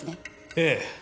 ええ。